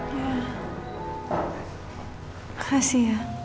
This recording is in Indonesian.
makasih ya